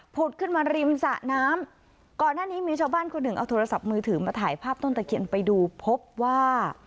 ขึ้นมาริมสะน้ำก่อนหน้านี้มีชาวบ้านคนหนึ่งเอาโทรศัพท์มือถือมาถ่ายภาพต้นตะเคียนไปดูพบว่า